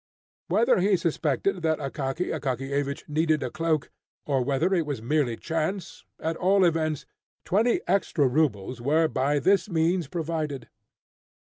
Whether he suspected that Akaky Akakiyevich needed a cloak, or whether it was merely chance, at all events, twenty extra rubles were by this means provided.